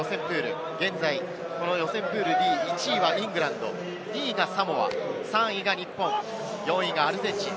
現在この予選プールＤ、１位はイングランド、２位がサモア、３位が日本、４位がアルゼンチン。